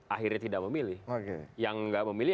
akhirnya tidak memilih yang nggak memilih